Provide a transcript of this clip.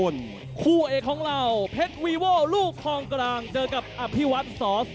ร้องคู่เอกของเราแสนพลลูกบ้านใหญ่เทคซอลเพชรสร้างบ้านใหญ่